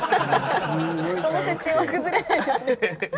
その設定は崩れないんですね。